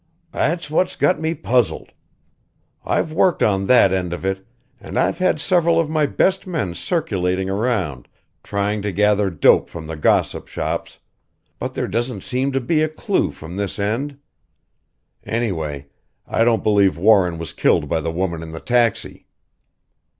"That's what's got me puzzled. I've worked on that end of it, and I've had several of my best men circulating around trying to gather dope from the gossip shops but there doesn't seem to be a clue from this end. Anyway I don't believe Warren was killed by the woman in the taxi!"